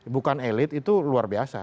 bukan elit itu luar biasa